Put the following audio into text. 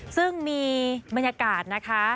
ซึ่งมีบรรยากาศนะคะ